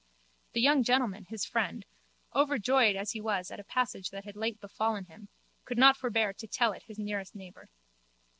The young gentleman, his friend, overjoyed as he was at a passage that had late befallen him, could not forbear to tell it his nearest neighbour.